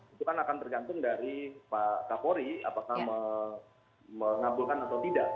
itu kan akan tergantung dari pak kapolri apakah mengabulkan atau tidak